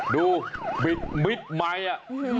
ดูมิดมิดไมค์อ่ะ